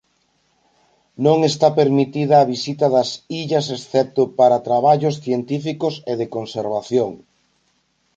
Non está permitida a visita das illas excepto para traballos científicos e de conservación.